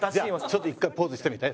ちょっと一回ポーズしてみて。